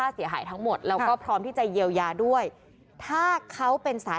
สึ่งทราบของ